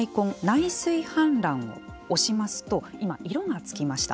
内水氾濫を押しますと今、色がつきました。